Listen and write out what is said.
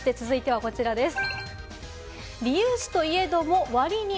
続いては、こちらです。